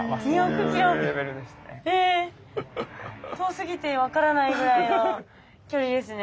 遠すぎて分からないぐらいの距離ですね。